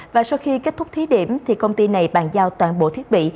và sau khi kết thúc thí điểm thì công ty này bàn giao toàn bộ thiết bị